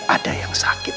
ada yang sakit